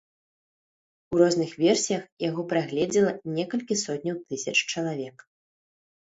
У розных версіях яго прагледзела некалькі сотняў тысяч чалавек.